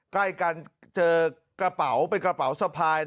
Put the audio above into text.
ใกล้กันเจอกระเป๋าเป็นกระเป๋าสะพาย